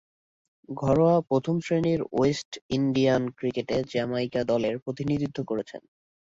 ঘরোয়া প্রথম-শ্রেণীর West Indian ক্রিকেটে জ্যামাইকা দলের প্রতিনিধিত্ব করেছেন।